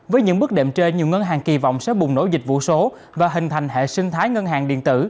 với những bước đệm trên nhiều ngân hàng kỳ vọng sẽ bùng nổ dịch vụ số và hình thành hệ sinh thái ngân hàng điện tử